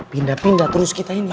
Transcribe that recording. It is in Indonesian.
pindah pindah terus kita ini